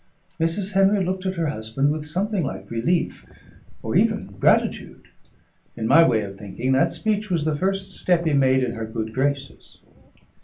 Mrs. Henry looked at her husband with something like relief, or even gratitude. In my way of thinking, that speech was the first step he made in her good graces.